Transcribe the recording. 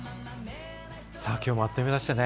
今日もあっという間でしたね。